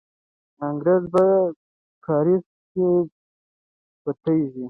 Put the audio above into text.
انګریزان په کارېز کې پټېږي.